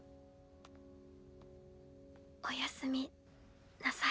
おやすみなさい。